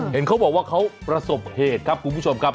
เห็นเขาบอกว่าเขาประสบเหตุครับคุณผู้ชมครับ